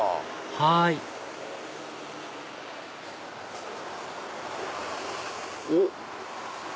はいおっ。